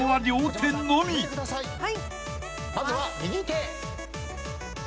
まずは右手。